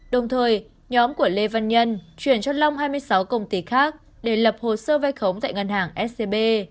đồng thời nhóm của lê văn nhân chuyển cho long hai mươi sáu công ty khác để lập hồ sơ vay khống tại ngân hàng scb